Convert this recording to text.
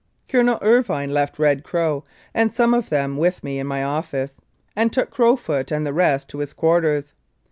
Colonel Irvine left Red Crow and some of them with me in my office, and took Crowfoot and the rest to his quarters.